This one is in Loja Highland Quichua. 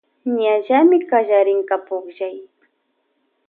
Ñallamy kallarinka pullay.